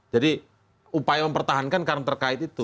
jadi upaya mempertahankan karena terkait itu